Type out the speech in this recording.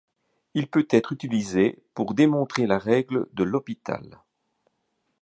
Il peut être utilisé pour démontrer la règle de L'Hôpital.